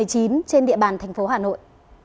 trên địa bàn thành phố hà nội